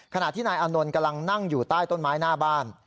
ขณะที่นายอานนท์กำลังนั่งอยู่ใต้ต้นไม้หน้าบ้าน